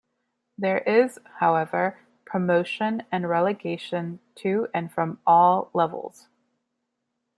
There is, however, promotion and relegation to and from all levels.